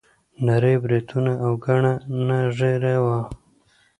نري بریتونه او ګڼه نه ږیره یې وه.